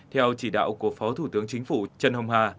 theo chỉ đạo của phó thủ tướng chính phủ trần hồng hà